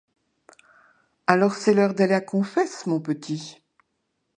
Alors c’est l’heure d’aller à confesse mon petit.